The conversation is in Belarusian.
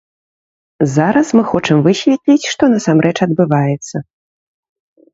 Зараз мы хочам высветліць, што насамрэч адбываецца.